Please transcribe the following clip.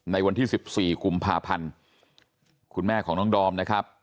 ในวันที่๑๔กุมภาพันธ์คุณแม่ของน้องดอมนะครับ